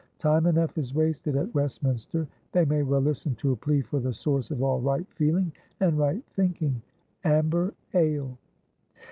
Time enough is wasted at Westminster; they may well listen to a plea for the source of all right feeling and right thinkingamber ale."